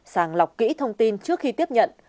sàng lọc kỹ thông tin trước khi tiếp nhận